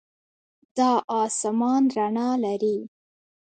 دا آسمان رڼا لري.